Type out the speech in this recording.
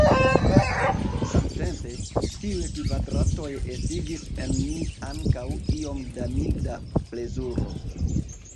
Samtempe, tiuj kvadratoj estigis en mi ankaŭ iom da milda plezuro.